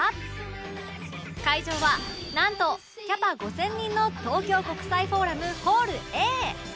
会場はなんとキャパ５０００人の東京国際フォーラムホール Ａ